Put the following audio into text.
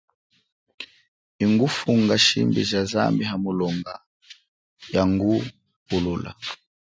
Ingufunga shimbi ja zambi, hamulonga, yangupulula.